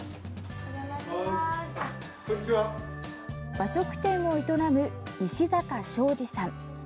和食店を営む石坂昌司さん。